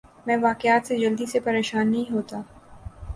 میں واقعات سے جلدی سے پریشان نہیں ہوتا